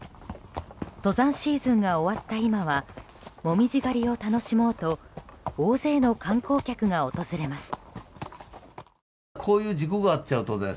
登山シーズンが終わった今は紅葉狩りを楽しもうと大勢の観光客が訪れます。